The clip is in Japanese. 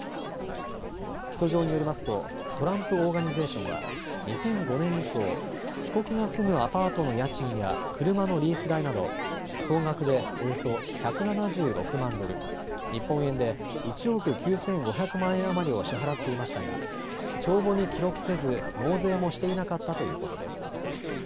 起訴状によりますとトランプ・オーガニゼーションは２００５年以降、被告が住むアパートの家賃や車のリース代など総額でおよそ１７６万ドル、日本円で１億９５００万円余りを支払っていましたが帳簿に記録せず、納税もしていなかったということです。